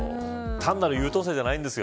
単なる優等生じゃないんです。